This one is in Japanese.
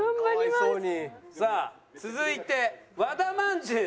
さあ続いて和田まんじゅう。